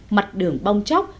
mặt đường bong chóc